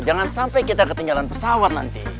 jangan sampai kita ketinggalan pesawat nanti